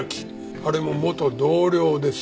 あれも元同僚です。